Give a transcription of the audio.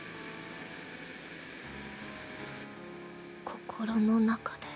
心の中で。